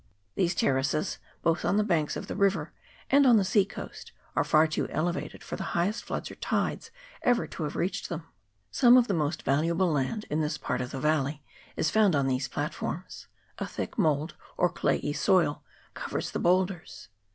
These terraces, both on the banks of the river and on the sea coast, are far too elevated for the highest floods or tides ever to have reached them. Some of the most valuable land in this part of the valley is found on these platforms: a thick mould, or clayey soil, covers the boulders.